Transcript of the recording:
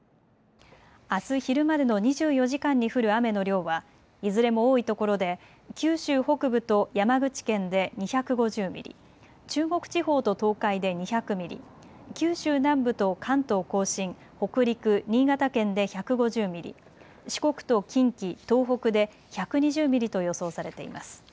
あす昼までの２４時間に降る雨の量はいずれも多いところで九州北部と山口県で２５０ミリ、中国地方と東海で２００ミリ、九州南部と関東甲信、北陸、新潟県で１５０ミリ、四国と近畿、東北で１２０ミリと予想されています。